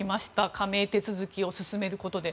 加盟手続きを進めることで。